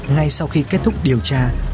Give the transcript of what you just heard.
ngay sau khi kết thúc điều tra